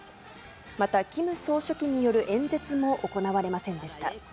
またキム総書記による演説も行われませんでした。